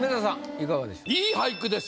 いかがでしょう？